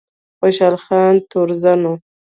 خوشحال خان تورزن و